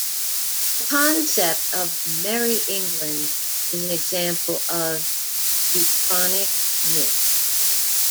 The concept of Merry England is an example of uchronic myth.